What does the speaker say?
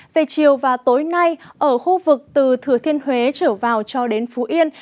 về chiều và tối nay ở khu vực từ thừa thiên huế trở vào cho đến phú yên